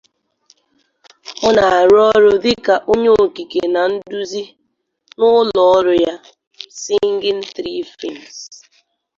Ọ na-arụ ọrụ dika onye okike na nduzi na ụlọ ọrụ ya, "Singing Tree Films".